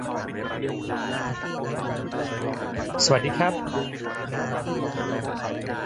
สนใจรีบสมัครโดยเร็ว